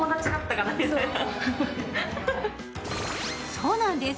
そうなんです。